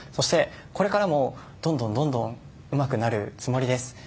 これからも、どんどんどんどんうまくなるつもりです。